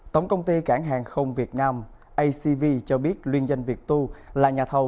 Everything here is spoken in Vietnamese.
tổng công ty cảng hàng không việt nam acv cho biết luyên danh việt tu là nhà thầu